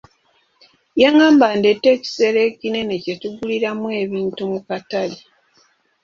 Yangamba ndeete ekisero ekinene kye tuguliramu ebintu mu katale.